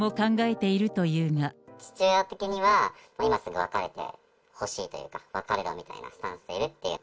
父親的には、今すぐ別れてほしいというか、別れろみたいなスタンスでいるっていう。